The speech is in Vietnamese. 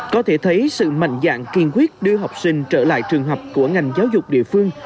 có thể thấy sự mạnh dạng kiên quyết đưa học sinh trở lại trường học của ngành giáo dục địa phương